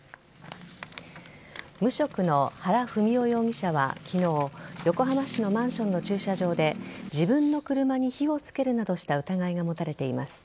無職の原文雄容疑者は昨日横浜市のマンションの駐車場で自分の車に火をつけるなどした疑いが持たれています。